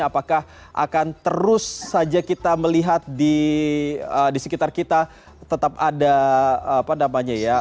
apakah akan terus saja kita melihat di sekitar kita tetap ada apa namanya ya